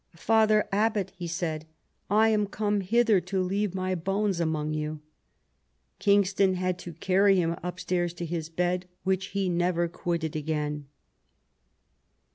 "Father Abbot," he said, " I am come hither to leave my bones among you." Kingston had to carry him upstairs to his bed, which he never quitted again.